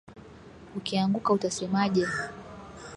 Ukianguka utasemaje.